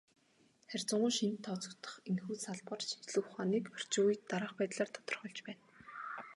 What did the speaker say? Харьцангуй шинэд тооцогдох энэхүү салбар шинжлэх ухааныг орчин үед дараах байдлаар тодорхойлж байна.